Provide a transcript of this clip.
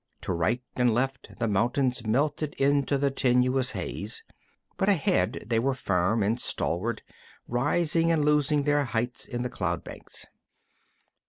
To right and left the mountains melted into the tenuous haze, but ahead they were firm and stalwart, rising and losing their heights in the cloud banks.